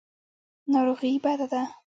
ناروغي بده ده.